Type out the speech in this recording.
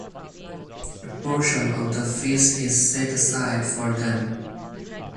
A portion of the feast is set aside for them.